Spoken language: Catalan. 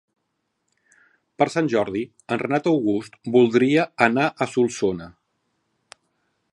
Per Sant Jordi en Renat August voldria anar a Solsona.